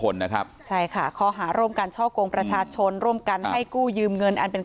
ล่ะครับใช่ค่ะข้อหาร่วมการช่องกลงประชาชนร่วมกันให้กู้ยืมเงิน